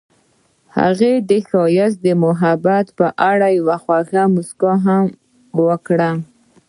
هغې د ښایسته محبت په اړه خوږه موسکا هم وکړه.